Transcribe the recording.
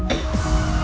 aku mau makan malam